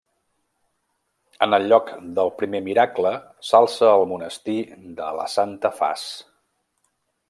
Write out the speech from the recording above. En el lloc del primer miracle s'alça el monestir de la Santa Faç.